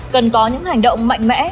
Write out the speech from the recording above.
cần có những hành động mạnh mẽ